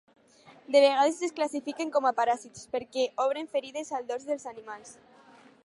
De vegades es classifiquen com a paràsits, perquè obren ferides al dors dels animals.